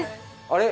あれ？